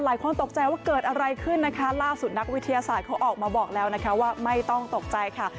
หลายคนตกใจว่าเกิดอะไรขึ้นนะคะล่าสุดนักวิทยาศาสตร์เขาออกมาบอกแล้วนะคะว่าไม่ต้องตกใจค่ะ